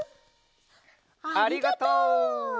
ありがとう！